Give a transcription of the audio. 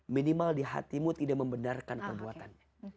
minimal di hatimu tidak membenarkan perbuatannya